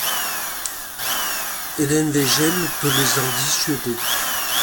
Helene Weigel peut les en dissuader.